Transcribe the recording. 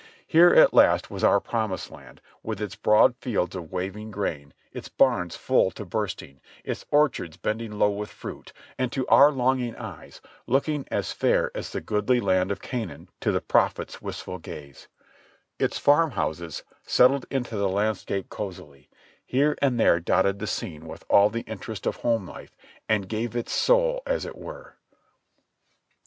Here at last was our Promised Land with its broad fields of waving grain, its barns full to bursting, its orchards bending low with fruit, and to our longing eyes looking as fair as the goodly land of Canaan to the prophet's wistful gaze ; its farm houses, settled into the landscape cozily, here and there dotted the scene with all the in terest of home life, and gave it soul as it were.